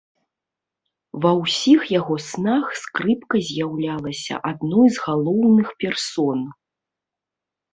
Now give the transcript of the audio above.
Ва ўсіх яго снах скрыпка з'яўлялася адной з галоўных персон.